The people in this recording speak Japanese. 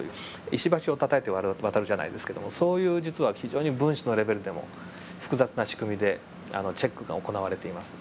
石橋をたたいて渡るじゃないですけどもそういう実は非常に分子のレベルでも複雑な仕組みでチェックが行われています。